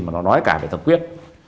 mà nó nói cả về thằng quyết